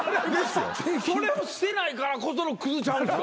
それをしてないからこそのクズちゃうんすか？